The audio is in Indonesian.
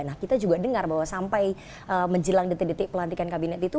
nah kita juga dengar bahwa sampai menjelang detik detik pelantikan kabinet itu